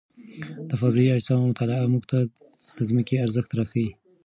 د فضايي اجسامو مطالعه موږ ته د ځمکې ارزښت راښيي.